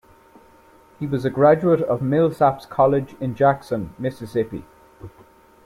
He was a graduate of Millsaps College in Jackson, Mississippi.